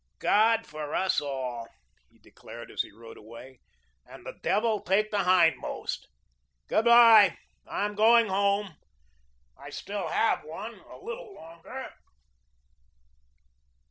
"God for us all," he declared as he rode away, "and the devil take the hindmost. Good bye, I'm going home. I still have one a little longer."